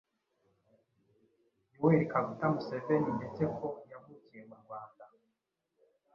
Yoweri Kaguta Museveni ndetse ko yavukiye mu Rwanda